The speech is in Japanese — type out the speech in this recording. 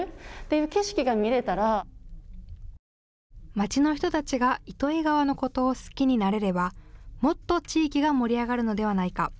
まちの人たちが糸魚川のことを好きになれればもっと地域が盛り上がるのではないか。